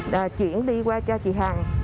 đã chuyển đi qua cho chị hằng